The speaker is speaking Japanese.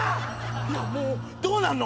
いやもうどうなんの？